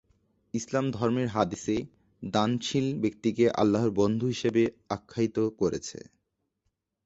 ইসলাম ধর্মের হাদীসে দানশীল ব্যক্তিকে আল্লাহর বন্ধু হিসেবে আখ্যায়িত করেছে।